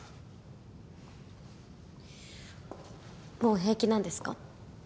もう平気なんですか？